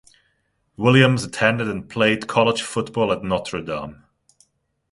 Williams attended and played college football at Notre Dame.